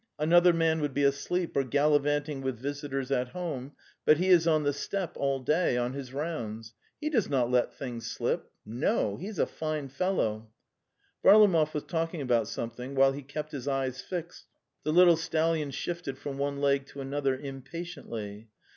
... An other man would be asleep, or gallivanting with vis itors at home, but he is on the steppe all day, ... on his rounds. ... He does not let things slip. ... No o! He's a fine fellow... ." Varlamoyv was talking about something, while he kept his eyes fixed. The little stallion shifted from one leg to another impatiently.